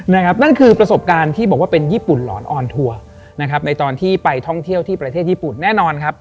นั่นคือประสบการณ์ที่บอกว่าเป็นญี่ปุ่นหลอนออนทัวร์นะครับในตอนที่ไปท่องเที่ยวที่ประเทศญี่ปุ่นแน่นอนครับ